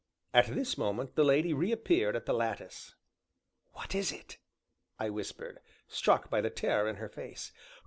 At this moment the lady reappeared at the lattice. "What is it?" I whispered, struck by the terror in her face.